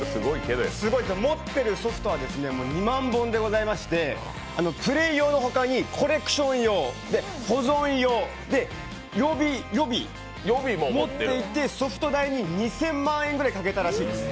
持ってるソフトは２万本でございまして、プレー用の他にコレクション用、保存用、予備も持っていてソフト代に２０００万円ぐらいかけたらしいです。